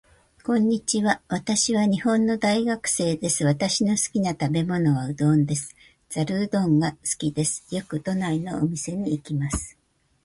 こんにちは。私は日本の大学生です。私の好きな食べ物はうどんです。ざるうどんが好きです。よく都内のお店に行きます。